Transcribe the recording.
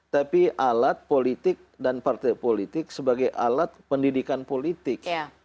tapi alat politik dan partai politik sebagai alat pendidikan politik